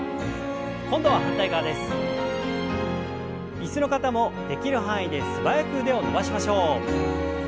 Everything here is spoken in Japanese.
椅子の方もできる範囲で素早く腕を伸ばしましょう。